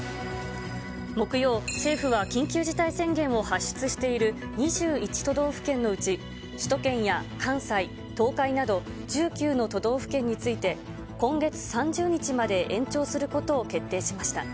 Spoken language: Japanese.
木曜、政府は緊急事態宣言を発出している２１都道府県のうち、首都圏や関西、東海など、１９の都道府県について、今月３０日まで延長することを決定しました。